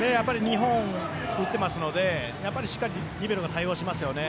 日本、打っていますのでしっかりリベロが対応しますよね。